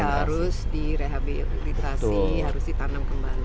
harus direhabilitasi harus ditanam kembali